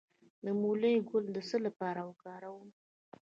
د مولی ګل د څه لپاره وکاروم؟